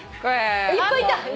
いっぱいいた！